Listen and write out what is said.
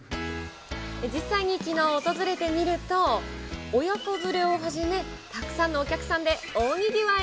実際に、きのう訪れてみると、親子連れをはじめ、たくさんのお客さんで大にぎわい。